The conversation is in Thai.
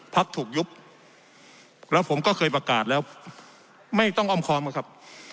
ถูกยุบแล้วผมก็เคยประกาศแล้วไม่ต้องอ้อมคอมนะครับ